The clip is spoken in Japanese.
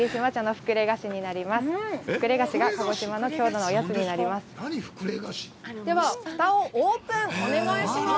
ふくれ菓子が鹿児島の郷土のお菓子になります。